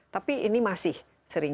tapi ini masih sering